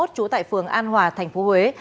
trú tại phường an hòa thành phố huế